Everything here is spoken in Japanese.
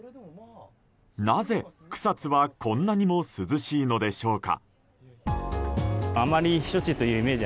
なぜ、草津はこんなにも涼しいのでしょうか。